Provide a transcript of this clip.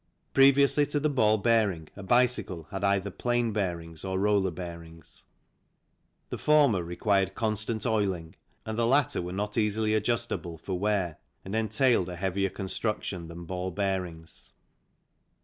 Previously to the ball bearing a bicycle had either plain bearings or roller bearings. The former required constant oiling, the latter were not easily adjustable for wear and entailed a heavier construction EARLY HISTORY AND ORIGIN OF THE BICYCLE 9 than ball bearings.